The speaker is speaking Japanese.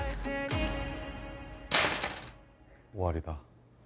終わりだ。